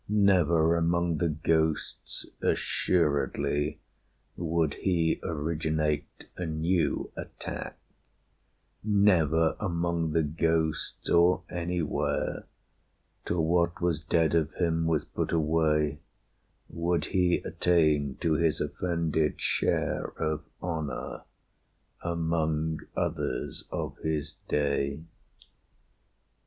Never among the ghosts, assuredly, Would he originate a new attack; Never among the ghosts, or anywhere, Till what was dead of him was put away, Would he attain to his offended share Of honor among others of his day.